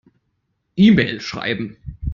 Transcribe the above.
E-Mail schreiben.